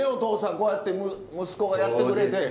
こうやって息子がやってくれて。